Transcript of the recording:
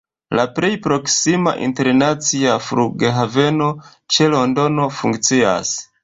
La plej proksima internacia flughaveno ĉe Londono funkcias.